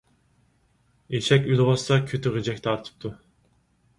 ئېشەك ئۆلۈۋاتسا كۆتى غىجەك تارتىپتۇ.